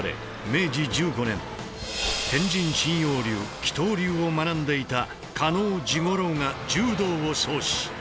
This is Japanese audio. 明治１５年天神真楊流起倒流を学んでいた嘉納治五郎が柔道を創始。